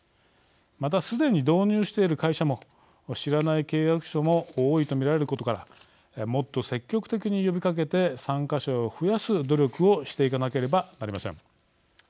また、すでに導入している会社も知らない契約者も多いとみられることからもっと積極的に呼びかけて参加者を増やす努力をしていかなければなりません。